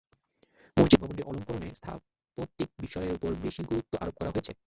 মসজিদ ভবনটির অলংকরণে স্থাপত্যিক বিষয়ের ওপর বেশি গুরুত্ব আরোপ করা হয়েছে।